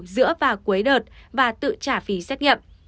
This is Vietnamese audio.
giữa và cuối đợt và tự trả phí xét nghiệm